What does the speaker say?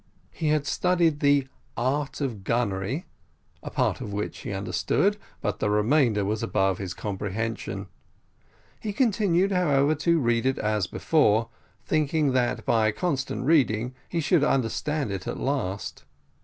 He had studied the Art of Gunnery, a part of which he understood, but the remainder was above his comprehension: he continued, however, to read it as before, thinking that by constant reading he should understand it at last.